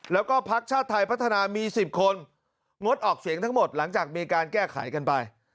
แล้วก็พักชาติไทยพัฒนามี๑๐คนงดออกเสียงทั้งหมดหลังจากมีการแก้ไขกันไป